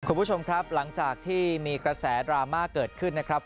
คุณผู้ชมครับหลังจากที่มีกระแสดราม่าเกิดขึ้นนะครับ